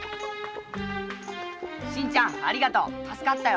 真ちゃんありがとう。助かったよ。